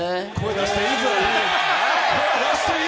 出していいぞ！